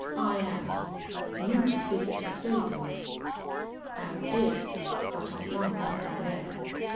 I am. You could visit the stables." "And did; but I found nothing there."